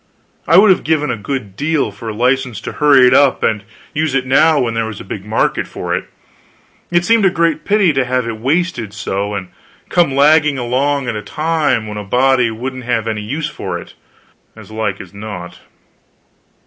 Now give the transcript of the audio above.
I would have given a good deal for license to hurry it up and use it now when there was a big market for it. It seemed a great pity to have it wasted so, and come lagging along at a time when a body wouldn't have any use for it, as like as not.